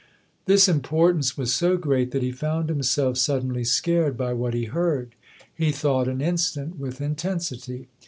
This importance was so great that he found himself suddenly scared by what he heard. He thought an instant with intensity.